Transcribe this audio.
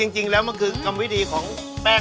คือจริงแล้วมันคือกรรมวิธีของแป้งขนมเบื้อง